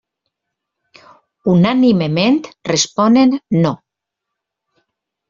Unànimement, responen no.